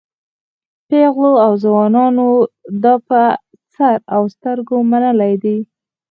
پېغلو او ځوانانو دا په سر او سترګو منلی دی.